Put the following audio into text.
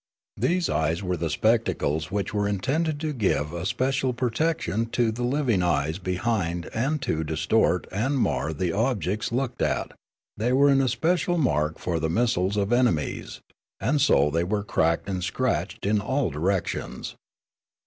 These eyes were the spectacles which were intended to give espe cial protection to the living e3'es behind and to distort and mar the objects looked at ; they were an especial mark for the missiles of enemies ; and so they were cracked and scratched in all directions.